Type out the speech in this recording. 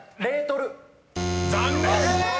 ［残念！